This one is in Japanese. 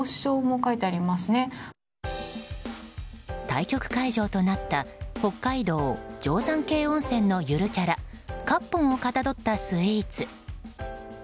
対局会場となった北海道、定山渓温泉のゆるキャラかっぽんをかたどったスイーツ。